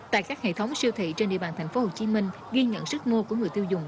tại các hệ thống siêu thị trên địa bàn tp hcm ghi nhận sức mua của người tiêu dùng